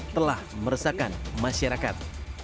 telah meresakan masyarakat